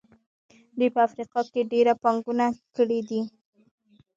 دوی په افریقا کې ډېره پانګونه کړې ده.